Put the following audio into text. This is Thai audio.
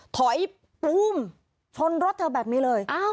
ถอยปู้มชนรถเธอแบบนี้เลย